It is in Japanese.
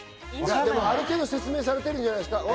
ある程度、説明されてるんじゃないですか？